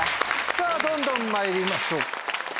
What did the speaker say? さぁどんどんまいりましょう。